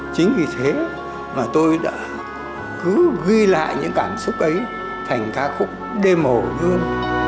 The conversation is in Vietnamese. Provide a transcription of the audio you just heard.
chính vì thế mà tôi đã cứ ghi lại những cảm xúc ấy thành ca khúc đêm hồ hương